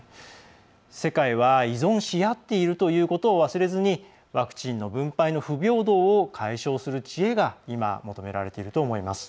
世界は依存し合っているということを忘れずに、ワクチンの分配の不平等を解消する知恵が今、求められていると思います。